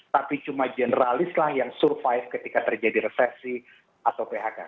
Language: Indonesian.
tapi cuma generalislah yang survive ketika terjadi resesi atau phk